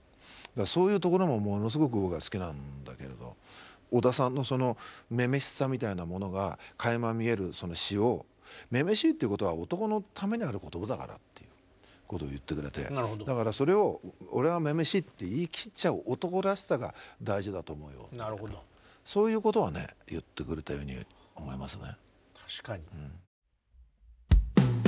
そういうところもものすごく僕は好きなんだけど小田さんの女々しさみたいなものがかいま見えるその詩をっていうことを言ってくれてだからそれを俺は女々しいって言い切っちゃう男らしさが大事だと思うよみたいなそういうことは言ってくれたように思いますね。